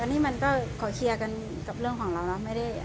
อันนี้มันก็ขอเคลียร์กันกับเรื่องของเรานะ